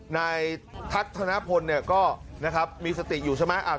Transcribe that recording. ในทักธนพลก็มีสติอยู่ใช่ไหม